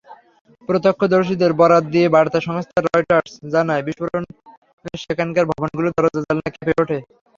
প্রত্যক্ষদর্শীদের বরাত দিয়ে বার্তা সংস্থা রয়টার্স জানায়, বিস্ফোরণে সেখানকার ভবনগুলোর দরজা-জানালা কেঁপে ওঠে।